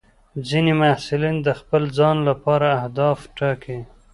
ځینې محصلین د خپل ځان لپاره اهداف ټاکي.